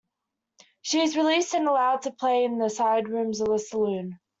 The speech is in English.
She is released and allowed to play in the side rooms of the saloon.